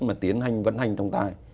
mà tiến hành vận hành trọng tài